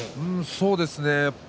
そうですね。